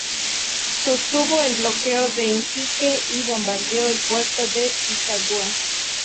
Sostuvo el bloqueo de Iquique y bombardeó el puerto de Pisagua.